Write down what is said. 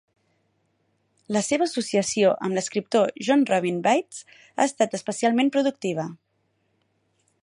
La seva associació amb l'escriptor Jon Robin Baitz ha estat especialment productiva.